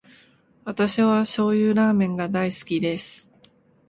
私は醤油ラーメンが大好きです。